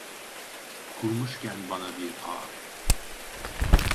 Kurmuşken bana bir ağ.